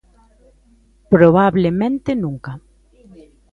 Probablemente nunca.